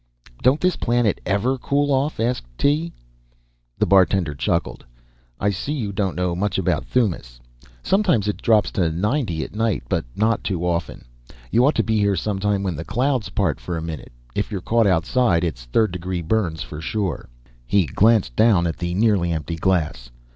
"Don't this planet ever cool off?" asked Tee. The bartender chuckled. "I see you don't know too much about Thymis. Sometimes it drops to ninety at night, but not too often. You ought to be here sometime when the clouds part for a minute. If you're caught outside then, it's third degree burns for sure." He glanced down at the nearly empty glass.